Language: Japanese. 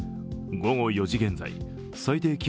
午後４時現在最低